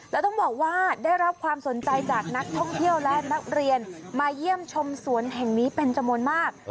แล้วต้องบอกว่าได้รับความสนใจจากนักท่องเที่ยวและนักเรียนมาเยี่ยมชมสวนแห่งนี้เป็นจำนวนมาก